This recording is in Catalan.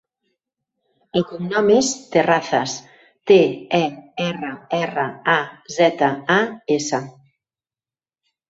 El cognom és Terrazas: te, e, erra, erra, a, zeta, a, essa.